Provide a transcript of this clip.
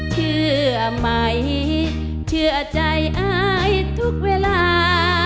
เชื่อไหมเชื่อใจอายทุกเวลา